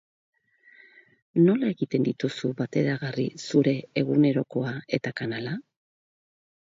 Nola egiten dituzu bateragarri zure egunerokoa eta kanala?